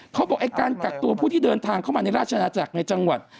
เขาบอกไอ้การกักตัวผู้ที่เดินทางเข้ามาในราชนาจักรในจังหวัด